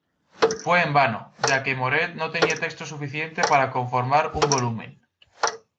Fue en vano, ya que Moret no tenía texto suficiente para conformar un volumen.